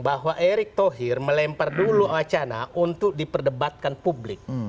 bahwa erick thohir melempar dulu wacana untuk diperdebatkan publik